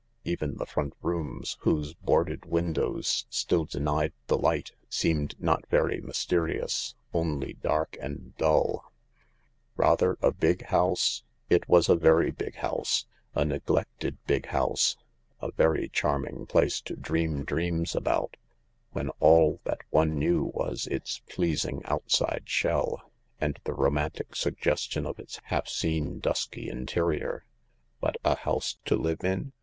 Even the front rooms, whose boarded windows still denied the light, seemed not very mysterious, only dark and dull. 156 THE LARK Rather a big house ? It was a very big house. A neg lected big house. A very charming place to dream dreams about, when all that one knew was its pleasing outside shell, and the romantic suggestion of its half seen dusky interior. But a house to live in